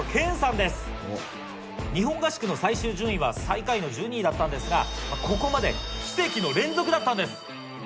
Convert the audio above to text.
日本合宿の最終順位は最下位の１２位だったんですがここまで奇跡の連続だったんです。